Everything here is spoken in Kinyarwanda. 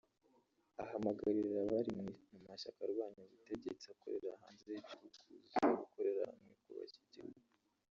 Ahamagarira abari mu mashyaka arwanya ubutegetsi akorera hanze y’igihugu kuza gukorera hamwe mu kubaka igihugu